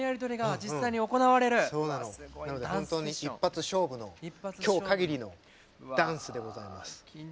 なので本当に一発勝負の今日限りのダンスでございます。